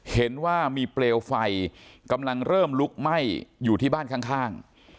เห็นว่ามีเปลวไฟกำลังเริ่มลุกไหม้อยู่ที่บ้านข้าง